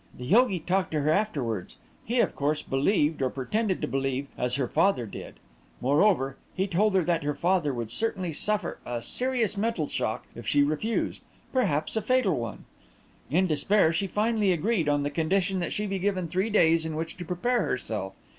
The yogi talked to her afterwards. He, of course, believed, or pretended to believe, as her father did; moreover, he told her that her father would certainly suffer a serious mental shock if she refused, perhaps a fatal one. In despair, she finally agreed, on the condition that she be given three days in which to prepare herself.